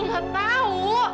aku gak tau